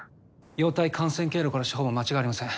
容体感染経路からしてほぼ間違いありません。